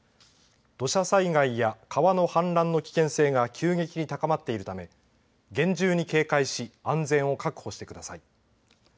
土砂災害や、川の氾濫の危険性が急激に高まっているため厳重に警戒し安全を確保してください。